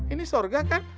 ini surga kan